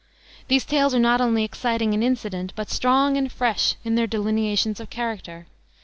These tales are not only exciting in incident, but strong and fresh in their delineations of character.